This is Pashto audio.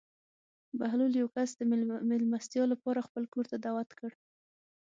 بهلول یو کس د مېلمستیا لپاره خپل کور ته دعوت کړ.